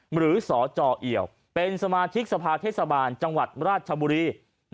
หรือสจเอี่ยวเป็นสมาชิกสภาเทศบาลจังหวัดราชบุรี